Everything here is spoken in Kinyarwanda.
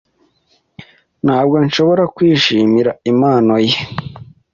Ntabwo nshobora kwishimira impano ye.